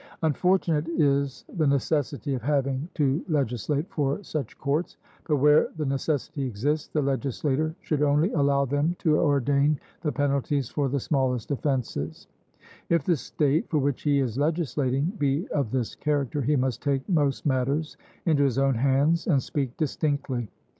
Unfortunate is the necessity of having to legislate for such courts, but where the necessity exists, the legislator should only allow them to ordain the penalties for the smallest offences; if the state for which he is legislating be of this character, he must take most matters into his own hands and speak distinctly.